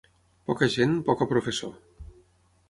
Poca gent, poca professó.